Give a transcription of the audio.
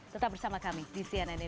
tetap bersama kami di cnn indonesia